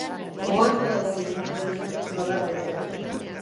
Ohartarazi egingo dizut, nolanahi ere.